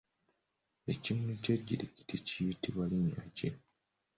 Ekimuli ky’ejjirikiti kiyitibwa linnya ki?